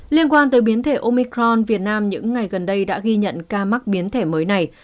liên quan tới biến thể omicron việt nam những ngày gần đây đã ghi nhận ca mắc biến thể mới này